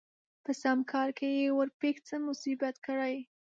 په سم کار کې يې ورپېښ څه مصيبت کړي